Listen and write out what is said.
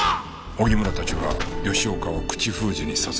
荻村たちは吉岡を口封じに殺害。